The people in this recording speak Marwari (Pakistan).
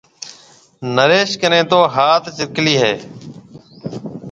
نريش ڪنَي تو هات چرڪلَي هيَ۔